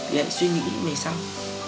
để suy nghĩ về xong